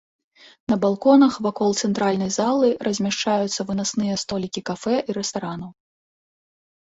На балконах вакол цэнтральнай залы размяшчаюцца вынасныя столікі кафэ і рэстаранаў.